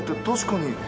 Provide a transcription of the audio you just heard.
確かに。